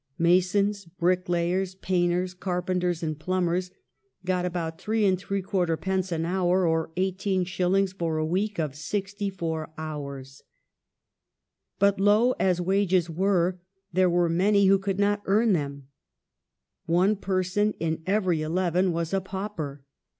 Masons, bricklayers, painters, carpenters, and plumbers got about 3fd. an hour or 18s. for a week of sixty four hours. But, low as wages were, there were many who could not earn them. One person in every eleven was a pauper.